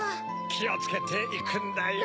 きをつけていくんだよ。